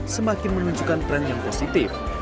semakin menunjukkan tren yang positif